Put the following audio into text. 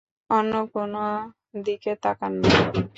অন্য কোনো দিকে তাকান না।